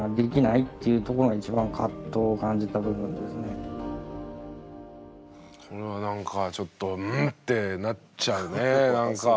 そこにこれはなんかちょっとん？ってなっちゃうねなんか。